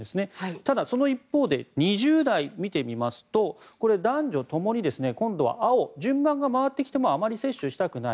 ただ、その一方で２０代を見てみますと男女ともに青順番が回ってきても接種したくない。